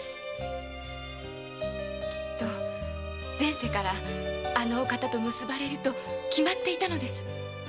きっと前世からあの方と結ばれると決まっていたのです。